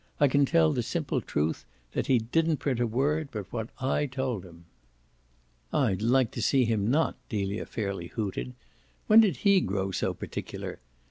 I can tell the simple truth that he didn't print a word but what I told him." "I'd like to see him not!" Delia fairly hooted. "When did he grow so particular?